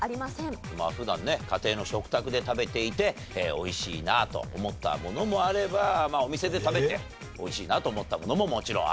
まあ普段ね家庭の食卓で食べていて美味しいなと思ったものもあればお店で食べて美味しいなと思ったものももちろんあると。